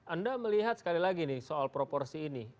anda melihat sekali lagi nih soal proporsi ini